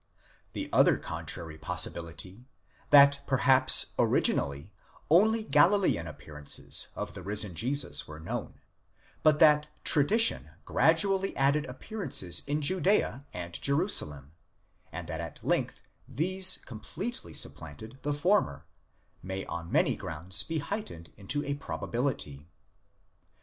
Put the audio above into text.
The other contrary possibility, that perhaps originally only Galilean appearances of the risen Jesus were known, but that tradition gradually added appearances in Judea and Jerusalem, and that at length these completely supplanted the former, may on many grounds be heightened into a probability.